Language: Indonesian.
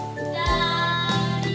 terima kasih pak hendrik